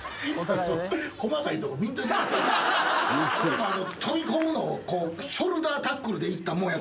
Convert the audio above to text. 俺も飛び込むのショルダータックルでいったもんやから。